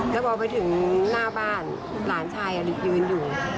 แล้วพอไปถึงหน้าบ้านหลานชายยืนอยู่